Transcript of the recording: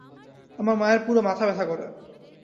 আমার মায়ের পুরো মাথা ব্যথা করে।